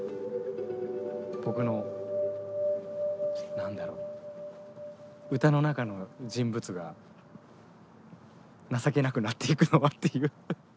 僕の何だろう歌の中の人物が情けなくなっていくのはっていう。